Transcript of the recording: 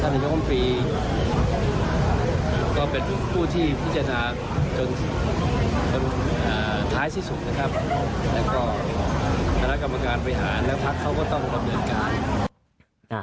เป็นตัวท้ายที่สุดและการกรรมการผู้ที่ไปหาและท่านเขาก็ต้องกำเนินการ